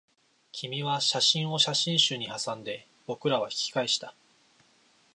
君は写真を写真集にはさんで、僕らは引き返した